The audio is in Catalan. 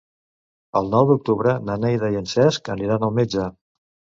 El nou d'octubre na Neida i en Cesc aniran al metge.